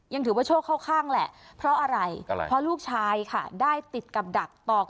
ยังถือว่าโชคเข้าข้างแหละเพราะอะไรเพราะลูกชายค่ะได้ติดกับดักตอก